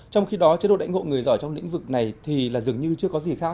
trong khi đó chế độ đải ngộ người giỏi trong lĩnh vực này thì dường như chưa có gì khác